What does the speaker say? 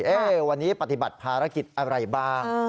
เอ๊ะวันนี้ปฏิบัติภารกิจอะไรบ้างเออ